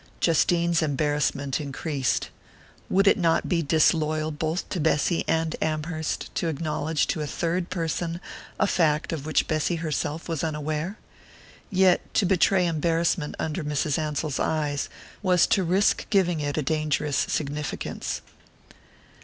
Justine's embarrassment increased. Would it not be disloyal both to Bessy and Amherst to acknowledge to a third person a fact of which Bessy herself was unaware? Yet to betray embarrassment under Mrs. Ansell's eyes was to risk giving it a dangerous significance.